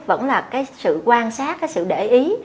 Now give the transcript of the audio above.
vẫn là cái sự quan sát cái sự để ý